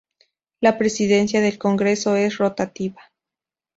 La presidencia del Consejo es rotativa.